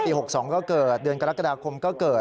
๖๒ก็เกิดเดือนกรกฎาคมก็เกิด